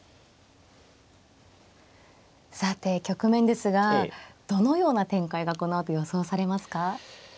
さて局面ですがどのような展開がこのあと予想されますか。